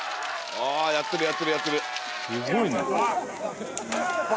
あぁやってるやってるやってる。